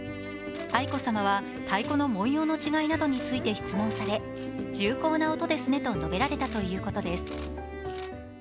愛子さまは太鼓の文様の違いなどについて質問され、重厚な音ですねと述べられたということです。